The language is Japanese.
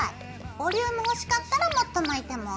ボリューム欲しかったらもっと巻いてもＯＫ！